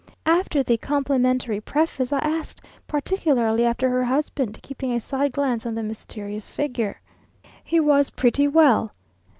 After the complimentary preface, I asked particularly after her husband, keeping a side glance on the mysterious figure. He was pretty well.